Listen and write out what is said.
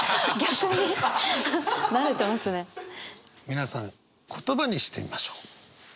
皆さん言葉にしてみましょう。